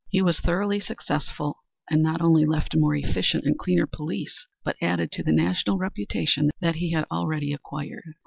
He was thoroughly successful and not only left a more efficient and cleaner police, but added to the national reputation that he had already acquired.